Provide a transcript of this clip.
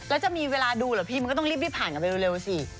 แล้วจะมีเวลาดูเหรอพี่มันก็ต้องรีบผ่านกันไปเร็วสิ